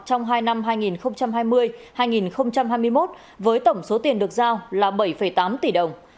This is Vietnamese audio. trong hai năm hai nghìn hai mươi hai nghìn hai mươi một với tổng số tiền được giao là bảy tám tỷ đồng